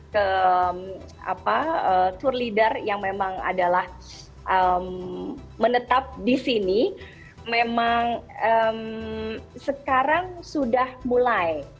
ke apa tour leader yang memang adalah menetap di sini memang sekarang sudah mulai